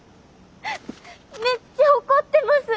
めっちゃ怒ってます。